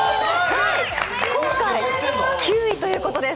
今回９位ということです。